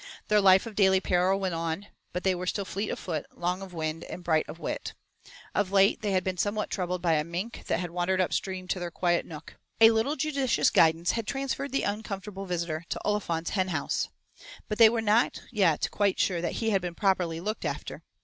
Their life of daily perils went on, but they were still fleet of foot, long of wind, and bright of wit. Of late they had been somewhat troubled by a mink that had wandered upstream to their quiet nook. A little judicious guidance had transferred the uncomfortable visitor to Olifant's hen house. But they were not yet quite sure that he had been properly looked after.